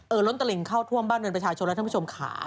เอ่อล้นตะหลิงเข้าท่วมบ้านเงินประชาชนและท่านผู้ชมขา